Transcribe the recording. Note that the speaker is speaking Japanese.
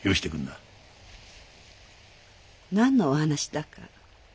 なんのお話だか。